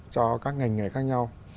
cho các ngành nghề khác nhau